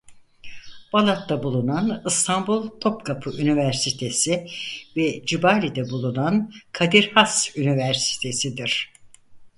Balat'ta bulunan İstanbul Topkapı Üniversitesi ve Cibali'de bulunan Kadir Has Üniversitesi'dir.